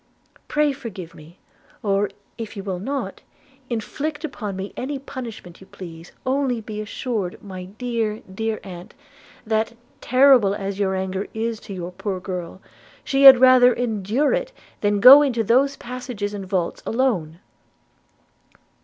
– Pray, forgive me! or, if you will not, inflict upon me any punishment you please: only be assured, my dear dear aunt, that, terrible as your anger is to your poor girl, she had rather endure it than go into those passages and vaults alone.'